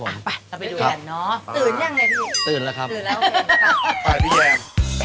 รุ่นที่ไหนของพี่แยม